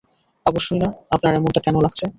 অবশ্যই না, আপনার এমনটা কেন লাগছে?